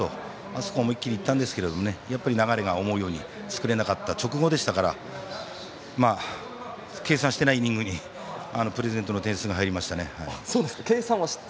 あそこは思い切りいったんですが流れが思うように作れなかった直後でしたから計算していないイニングにプレゼントの点数が入りましたね。